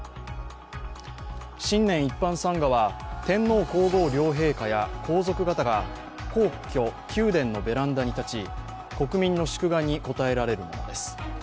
新年一般参賀は天皇皇后両陛下や皇族方が皇居・宮殿のベランダに立ち国民の祝賀に応えられるものです。